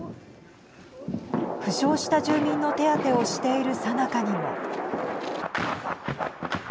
負傷した住民の手当てをしているさなかにも。